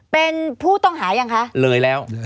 เป็นผู้ต้องหายังคะเลยแล้ว